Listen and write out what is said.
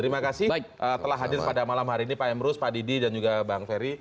terima kasih telah hadir pada malam hari ini pak emrus pak didi dan juga bang ferry